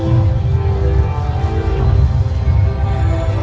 สโลแมคริปราบาล